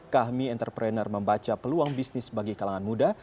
kami entrepreneur membaca peluang bisnis bagi kalangan muda